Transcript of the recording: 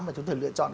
và chúng tôi lựa chọn